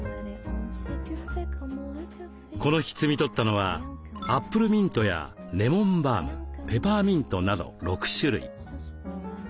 この日摘み取ったのはアップルミントやレモンバームペパーミントなど６種類。